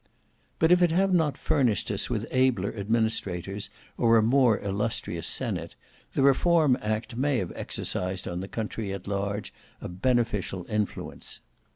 But if it have not furnished us with abler administrators or a more illustrious senate, the Reform Act may have exercised on the country at large a beneficial influence.